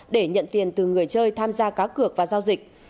để nhận tiền từ người chơi tham gia cá cược và giao dịch